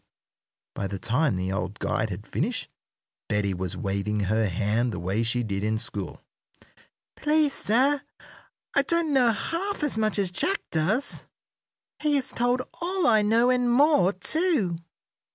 By the time the old guide had finished Betty was waving her hand the way she did in school. "Please, sir, I don't know half as much as Jack does. He has told all I know, and more, too."